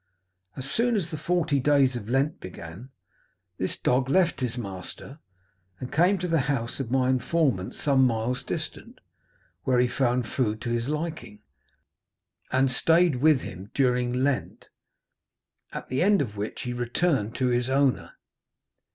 As soon as the forty days of Lent began, this dog left his master and came to the house of my informant, some miles distant, where he found food to his liking, and stayed with him during Lent, at the end of which he returned to his owner.